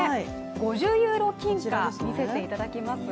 ５０ユーロ金貨、見せていただけます？